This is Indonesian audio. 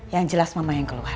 yang jelas mama yang keluar